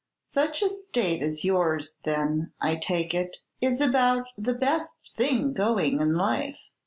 "Such a state as yours, then, I take it, is about the best thing going in life.